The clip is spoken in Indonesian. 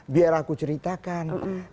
biar aku ceritakan